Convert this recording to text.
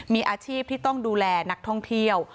มีอาชีพที่ต้องดูแลนักท่องเที่ยว